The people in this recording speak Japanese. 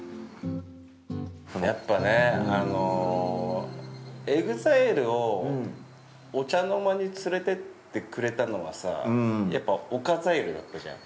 やっぱね、ＥＸＩＬＥをお茶の間に連れていってくれたのはやっぱオカザイルだったじゃん。